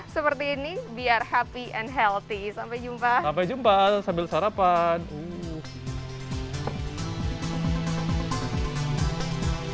selamat melanjutkan aktivitas anda